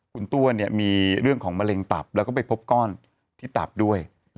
คุณตัวเนี่ยมีเรื่องของมะเร็งตับแล้วก็ไปพบก้อนที่ตับด้วย